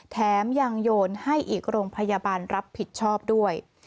แถมยังโยนให้อีกโรงพยาบาลรับผิดชอบด้วย